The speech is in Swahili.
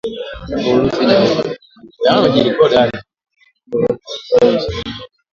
tangu Urusi ilipoivamia nchi hiyo hapo Februari ishirini na nne